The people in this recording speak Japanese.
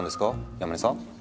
山根さん？